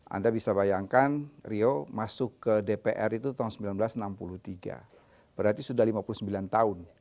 anda bisa bayangkan rio masuk ke dpr itu tahun seribu sembilan ratus enam puluh tiga berarti sudah lima puluh sembilan tahun